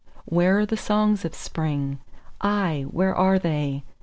Where are the songs of Spring? Ay, where are they?